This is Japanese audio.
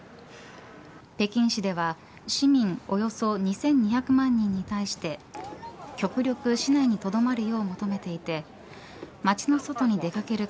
北京市では市民およそ２２００万人に対して極力、市内にとどまるよう求めていて街の外に出掛ける